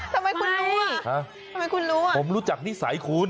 ทำไมคุณรู้ป้อนุรู้จักนิสัยคุณ